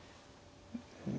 うん？